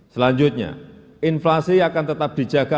selanjutnya inflasi akan tetap dijaga